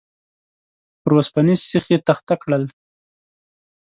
پر اوسپنيز سيخ يې تخته کړل.